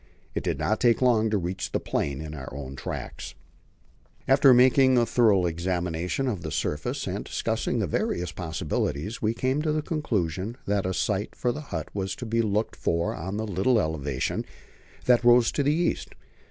It did not take long to reach the plain in our own tracks. On making a thorough examination of the surface and discussing the various possibilities, we came to the conclusion that a site for the hut was to be looked for on the little elevation that rose to the east.